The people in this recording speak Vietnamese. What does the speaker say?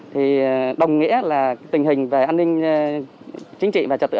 thì đồng nghĩa là tình hình về an ninh chính trị và trật tự